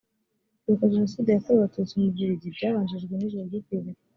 kwibuka jenoside yakorewe abatutsi mu bubiligi byabanjirijwe nijoro ryo kwibuka